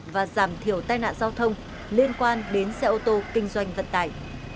và giảm thiểu tai nạn giao thông liên quan đến xe ô tô kinh doanh vận tải